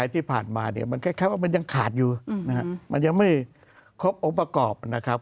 ที่ผ่านมาเนี่ยมันคล้ายว่ามันยังขาดอยู่นะครับมันยังไม่ครบองค์ประกอบนะครับ